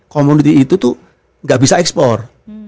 komoditi itu tuh gak bisa ekspor